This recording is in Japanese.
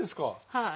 はい。